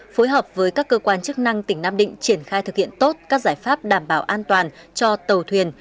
phối hợp với các cơ quan chức năng tỉnh nam định triển khai thực hiện tốt các giải pháp đảm bảo an toàn cho tàu thuyền